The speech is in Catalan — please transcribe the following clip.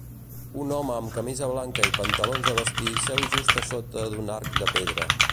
Un home amb camisa blanca i pantalons de vestir seu just a sota d'un arc de pedra.